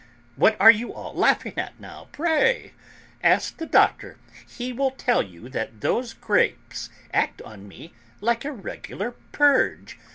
What are you all laughing at now, pray? Ask the Doctor; he will tell you that those grapes act on me like a regular purge.